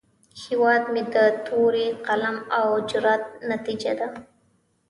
هیواد مې د تورې، قلم، او جرئت نتیجه ده